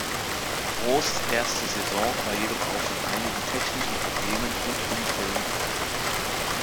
Prost erste Saison war jedoch auch von einigen technischen Problemen und Unfällen geprägt.